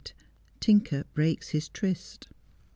TINKER BREAKS HIS TRTST.